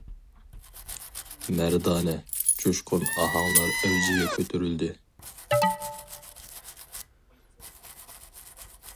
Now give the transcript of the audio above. مەردانە- جۇشقۇن ئاھاڭلار ئەۋجىگە كۆتۈرۈلدى.